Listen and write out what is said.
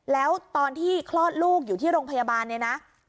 แล้วตอนที่คลอดลูกอยู่ที่โรงพยาบาลเนี่ยนะ